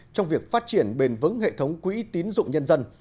trong việc phát triển bền vững hệ thống quỹ tín dụng nhân dân